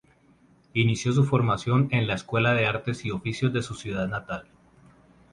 Inició su formación en la Escuela de Artes y Oficios de su ciudad natal.